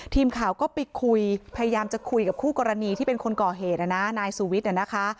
ทีมข่าวก็ไปคุยพยายามจะคุยกับคู่กรณีที่เป็นคนก่อเหตุนะนะนายสุวิทย์น่ะนะคะ